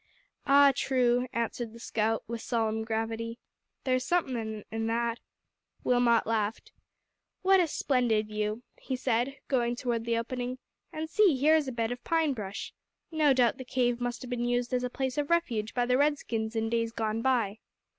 "Ah, true," answered the scout, with solemn gravity. "There's somethin' in that." Wilmot laughed. "What a splendid view," he said, going forward to the opening "and see, here is a bed of pine brush. No doubt the cave must have been used as a place of refuge by the Redskins in days gone by."